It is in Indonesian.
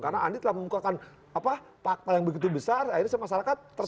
karena andi telah mengumumkan fakta yang begitu besar akhirnya masyarakat tertengah